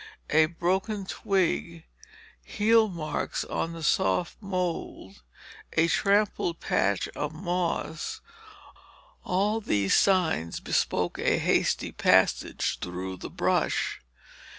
A broken twig, heel marks on the soft mold, a trampled patch of moss; all these signs bespoke a hasty passage through the brush.